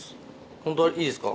本当にいいんですか。